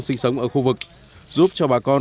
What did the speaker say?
sinh sống ở khu vực giúp cho bà con